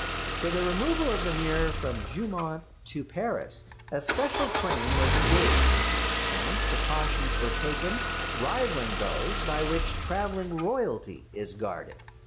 For the removal of the mirror from Jeumont to Paris a special train was engaged, and precautions were taken rivalling those by which travelling Royalty is guarded.